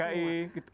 nah ini semua